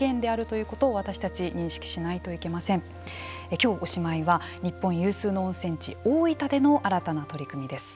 今日おしまいは日本有数の温泉地大分での新たな取り組みです。